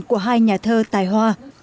của hai nhà thơ tài hoa